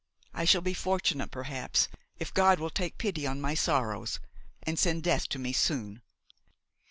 I shall be fortunate, perhaps, if God will take pity on my sorrows and send death to me soon."